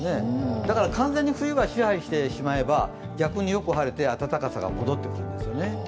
だから完全に冬が支配してしまえば逆によく晴れて暖かさが戻ってくるんですよね。